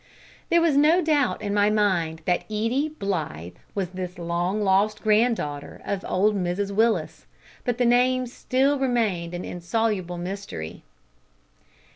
There was no doubt now in my mind that Edie Blythe was this lost granddaughter of old Mrs Willis, but the name still remained an insoluble mystery.